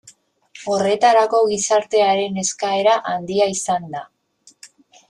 Horretarako gizartearen eskaera handia izan da.